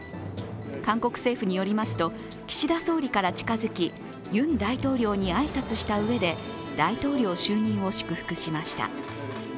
韓国政府によりますと、岸田総理から近づき、ユン大統領に挨拶したうえで大統領就任を祝福しました。